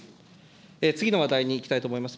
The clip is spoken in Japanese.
次の話題にいきたいと思います。